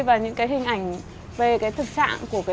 và những cái hình ảnh về cái thực trạng của cái